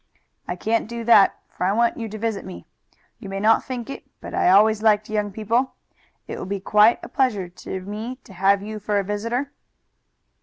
"I can't do that, for I want you to visit me. You may not think it, but I always liked young people. It will be quite a pleasure to me to have you for a visitor."